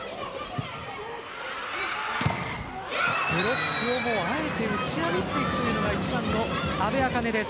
ブロックをもあえて、打ち破っていくのが１番の阿部明音です。